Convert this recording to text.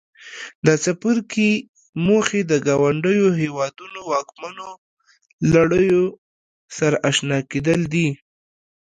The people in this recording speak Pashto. د څپرکي موخې د ګاونډیو هېوادونو واکمنو لړیو سره آشنا کېدل دي.